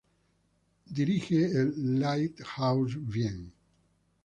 El dirige el Lighthouse Wien.